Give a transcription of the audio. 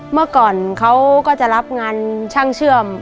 เมื่อก่อนเขาก็จะรับงานช่างเชื่อม